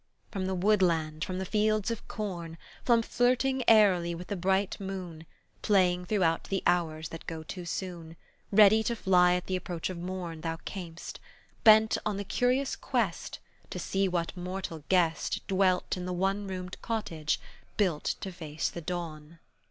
From the woodland, from the fields of corn, From flirting airily with the bright moon, Playing throughout the hours that go too soon, Ready to fly at the approach of morn, Thou cam'st, Bent on the curious quest To see what mortal guest Dwelt in the one roomed cottage built to face the dawn.